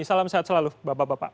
salam sehat selalu bapak bapak